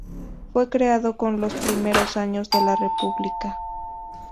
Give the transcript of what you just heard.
Fue creado en los primeros años de la República.